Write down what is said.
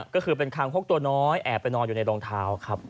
ก็คือเป็นคางคกตัวน้อยแอบไปนอนอยู่ในรองเท้าครับ